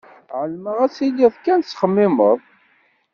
Ԑelmeɣ ad tiliḍ kan tettxemmimeḍ.